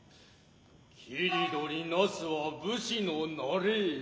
切取りなすは武士の習え。